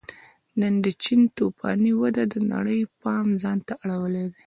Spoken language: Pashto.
نن د چین توفاني وده د نړۍ پام ځان ته اړولی دی